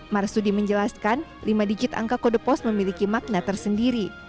marsudi menjelaskan lima digit angka kode pos memiliki makna tersendiri